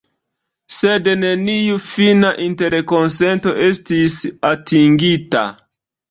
Sed neniu fina interkonsento estis atingita.